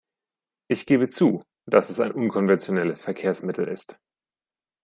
Ich gebe zu, dass es ein unkonventionelles Verkehrsmittel ist.